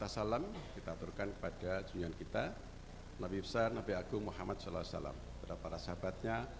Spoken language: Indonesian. salam kita aturkan kepada junior kita nabi besar nabi agung muhammad saw kepada para sahabatnya